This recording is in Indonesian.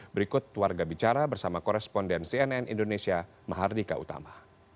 berikut warga bicara bersama koresponden cnn indonesia mahardika utama